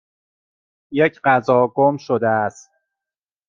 یک غذا گم شده است.